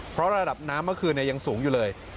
เพราะระดับน้ำเมื่อคืนยังสูงอยู่เลย